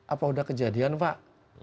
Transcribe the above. apa sudah kejadian pak